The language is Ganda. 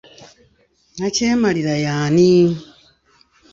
Nakyemalira y'ani?